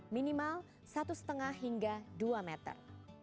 minimal satu lima hingga dua meter